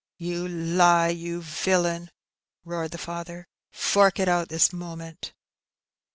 '^ You lie, you villain !" roared the father ;" fork it out this moment.''